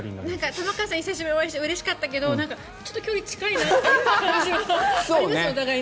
玉川さんに久しぶりにお会いしてうれしかったけどちょっと距離が近いなっていう感じがありますね、お互いに。